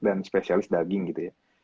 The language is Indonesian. dan spesialis daging gitu ya